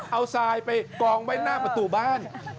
เอาทรายไปกองไว้หน้าประตูบ้าน